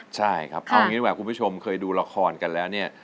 ใช่ครับเอางี้ดีกว่าคุณผู้ชมเคยดูละครกันแล้วเนี่ย